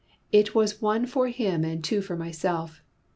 It was one for him and two for myself!